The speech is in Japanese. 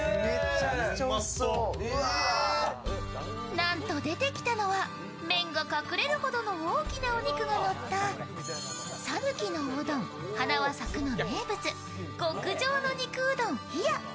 なんと出てきたのは麺が隠れるほどの大きなお肉がのった讃岐のおうどん花は咲くの名物、極上の肉うどん。